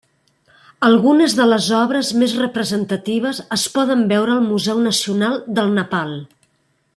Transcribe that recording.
Algunes de les obres més representatives es poden veure al Museu Nacional del Nepal.